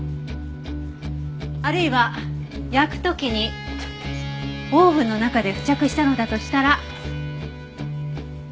あるいは焼く時にオーブンの中で付着したのだとしたら。